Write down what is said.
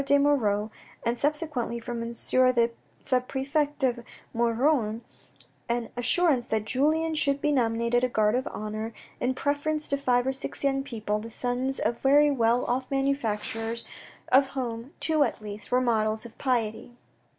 de Moirod, and subsequently, from M. the sub perfect de Maugiron, an assurance that Julien should be nominated a guard of honour in preference to five or six young people, the sons of very well off manufacturers, A KING AT VERRIERES 105 of whom two at least, were models of piety.